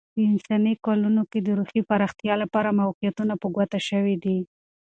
په انساني کلونه کې، د روحي پرمختیا لپاره موقعیتونه په ګوته شوي دي.